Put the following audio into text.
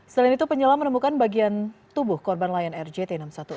selain itu penyelam menemukan bagian tubuh korban lion air jt enam ratus sepuluh